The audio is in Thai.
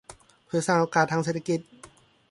เพื่อสร้างโอกาสทางเศรษฐกิจ